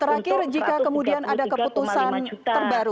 terakhir jika kemudian ada keputusan terbaru